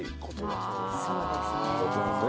そうですね。